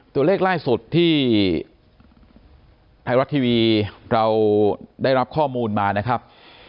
ตัวเลขล่าสุดที่ไทยรัฐทีวีเราได้รับข้อมูลมานะครับ